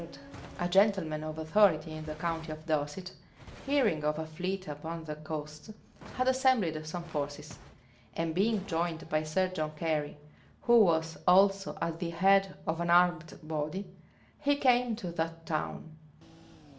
Sir John Trenchard, a gentleman of authority in the county of Dorset, hearing of a fleet upon the coast, had assembled some forces; and being joined by Sir John Cary, who was also at the head of an armed body, he came to that town.